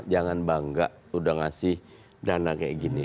jangan bangga udah ngasih dana kayak gini